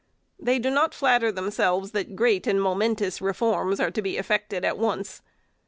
They do not flatter them selves that great and momentous reforms are to be ef fected at once.